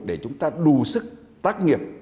để chúng ta đủ sức tác nghiệp